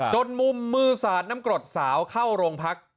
จนมุมมือสาดน้ำกรดสาวเข้าโรงพัก